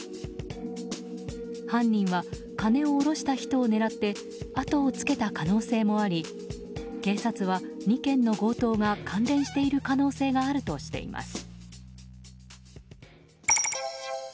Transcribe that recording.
犯人は金を下ろした人を狙ってあとをつけた可能性もあり警察は２件の強盗が関連している可能性があるとしています。